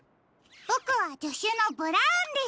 ボクはじょしゅのブラウンです。